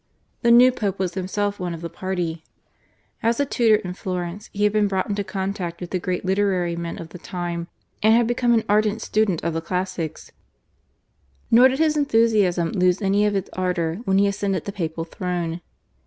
The new Pope was himself one of the party. As a tutor in Florence he had been brought into contact with the great literary men of the time and had become an ardent student of the classics, nor did his enthusiasm lose any of its ardour when he ascended the Papal throne.